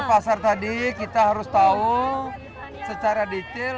pasar tadi kita harus tahu secara detail